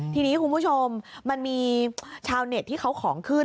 ทีนี้คุณผู้ชมมันมีชาวเน็ตที่เขาของขึ้น